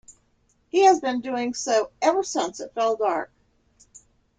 He has been doing so ever since it fell dark.